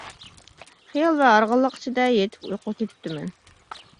خىيال ۋە ھارغىنلىق ئىچىدە يېتىپ ئۇيقۇغا كېتىپتىمەن.